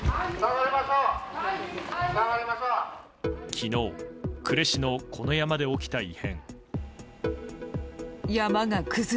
昨日、呉市のこの山で起きた異変。